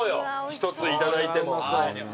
１ついただいても。